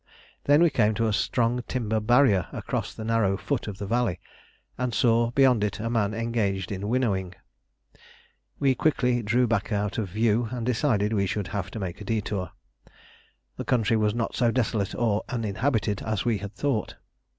Then we came to a strong timber barrier across the narrow foot of the valley, and saw beyond it a man engaged in winnowing. We quickly drew back out of view, and decided we should have to make a detour. The country was not so desolate or uninhabited as we had thought.